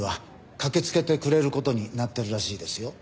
駆けつけてくれる事になってるらしいですよ。